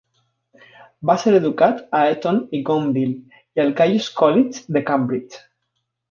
Va ser educat a Eton i Gonville i al Caius College, de Cambridge.